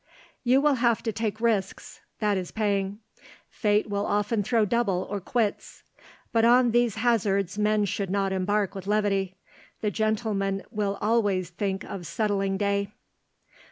"You will have to take risks, that is paying. Fate will often throw double or quits. But on these hazards men should not embark with levity; the gentleman will always think of settling day."